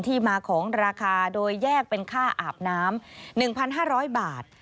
ที่มาของราคาโดยแยกเป็นค่าอาบน้ำ๑๕๐๐บาท